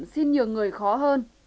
xin nhờ người khó hơn